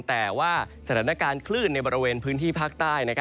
แต่ว่าสถานการณ์คลื่นในบริเวณพื้นที่ภาคใต้